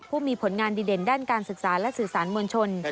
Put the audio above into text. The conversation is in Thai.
ผู้มีผลงานดีเด่นด้านการศึกษาและสื่อสารมวลชน